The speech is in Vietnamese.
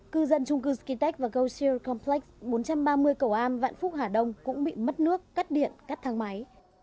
cư dân trung cư stitech và golcial complex bốn trăm ba mươi cầu am vạn phúc hà đông cũng bị mất nước cắt điện cắt thang máy